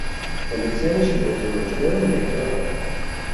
Le lezioni si svolgevano generalmente all'aperto.